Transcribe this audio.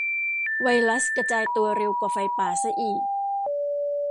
ไวรัสกระจายตัวเร็วกว่าไฟป่าซะอีก